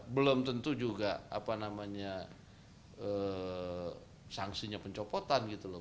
belum tentu juga sanksinya pencopotan gitu loh